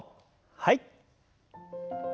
はい。